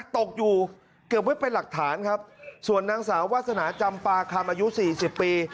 ตกอยู่เก็บไว้เป็นหลักฐานครับส่วนนางสาววาสนาจำปาคำอายุสี่สิบปี